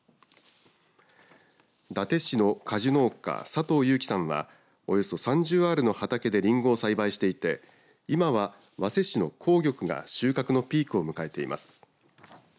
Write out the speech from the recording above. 伊達市の果樹農家佐藤佑樹さんはおよそ３０アールの畑でりんごを栽培していて今はわせ種の紅玉が収穫のピークを迎えています。